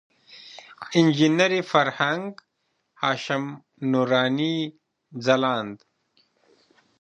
انجینر فرهنګ، هاشم نوراني، ځلاند.